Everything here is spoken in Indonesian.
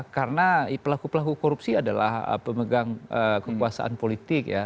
karena pelaku pelaku korupsi adalah pemegang kekuasaan politik ya